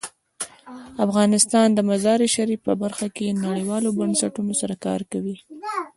افغانستان د مزارشریف په برخه کې نړیوالو بنسټونو سره کار کوي.